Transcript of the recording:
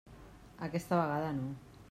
Aquesta vegada no.